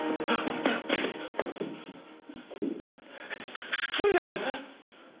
く来るな！